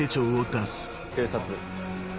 警察です。